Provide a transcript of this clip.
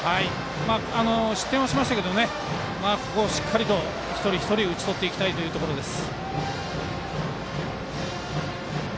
失点はしましたけどしっかりと一人一人打ち取っていきたいところです。